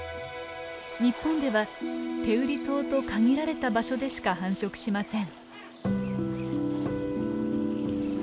日本では天売島と限られた場所でしか繁殖しません。